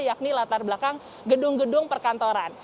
yakni latar belakang gedung gedung perkantoran